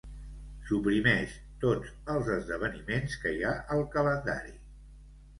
Suprimeix tots els esdeveniments que hi ha al calendari.